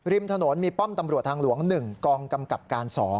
ริมถนนมีป้อมตำรวจทางหลวง๑กองกำกับการ๒